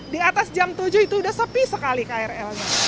di atas jam tujuh itu sudah sepi sekali krl nya